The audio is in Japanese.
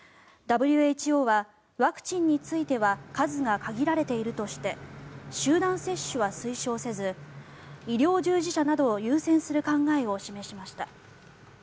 ＷＨＯはワクチンについては数が限られているとして集団接種は推奨せず医療従事者などを優先する考えを示しました。